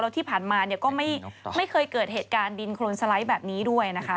ที่ผ่านมาก็ไม่เคยเกิดเหตุการณ์ดินโครนสไลด์แบบนี้ด้วยนะคะ